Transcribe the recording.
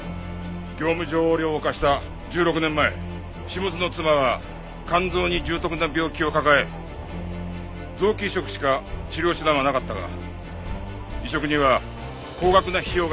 業務上横領を犯した１６年前下津の妻は肝臓に重篤な病気を抱え臓器移植しか治療手段はなかったが移植には高額な費用が必要だった。